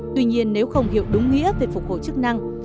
tuy nhiên nếu không hiểu đúng nghĩa về phục hồi chức năng